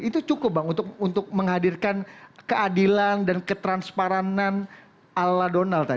itu cukup bang untuk menghadirkan keadilan dan ketransparanan ala donald tadi